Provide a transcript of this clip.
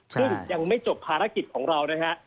ซึ่งยังไม่จบภารกิจของเรานะฮะ